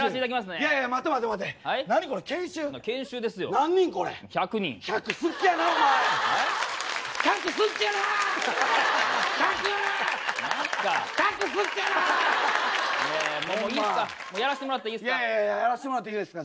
いやいや「やらしてもらっていいですか」